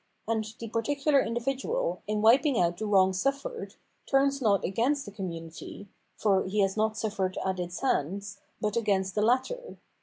And the particular individual, in wiping out the wrong suffered, turns not against the community — ^for he has not suffered at its hands — but against the latter.